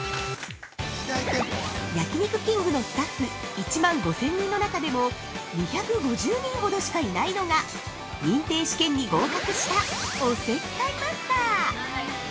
◆焼肉きんぐのスタッフ１万５０００人の中でも２５０人ほどしかいないのが認定試験に合格したおせっかいマスター。